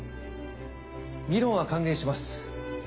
議論は歓迎します。